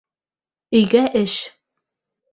Өйгә эш